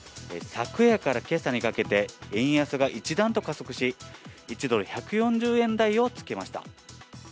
昨夜からけさにかけて、円安が一段と加速し、１ドル１４０円台をつけました。